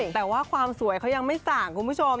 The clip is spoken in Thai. แต่ว่าความสวยเขายังไม่ส่างคุณผู้ชม